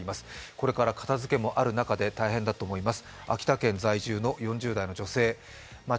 これから片づけもある中で大変だと思います。